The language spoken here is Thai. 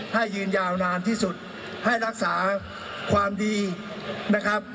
ให้ยืนยาวนานที่สุดให้รักษาความดีนะครับ